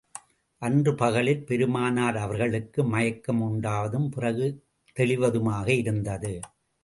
அன்று பகலில், பெருமானார் அவர்களுக்கு மயக்கம் உண்டாவதும், பிறகு தெளிவதுமாக இருந்தது.